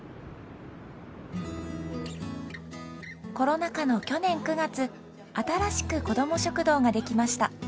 コロナ禍の去年９月新しくこども食堂が出来ました。